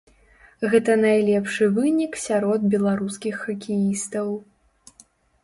Гэта найлепшы вынік сярод беларускіх хакеістаў.